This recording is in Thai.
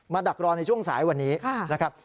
ดักรอในช่วงสายวันนี้นะครับ